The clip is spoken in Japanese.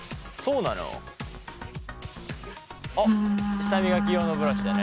舌磨き用のブラシでね。